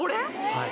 はい。